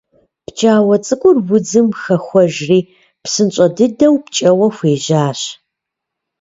Пкӏауэ цӏыкӏур удзым хэхуэжри псынщӏэ дыдэу пкӏэуэ хуежьащ.